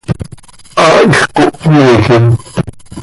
Haaix cohpmiijim.